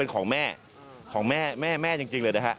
ของแม่ของแม่แม่จริงเลยนะฮะ